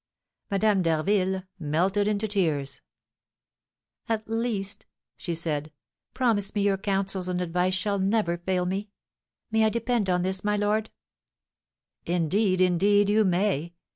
Madame d'Harville melted into tears. "At least," said she, "promise me your counsels and advice shall never fail me. May I depend on this, my lord?" "Indeed, indeed, you may.